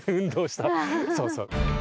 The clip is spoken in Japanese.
そうそう。